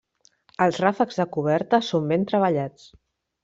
Els ràfecs de coberta són ben treballats.